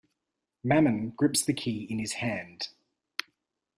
Mammon grips the key in his hand.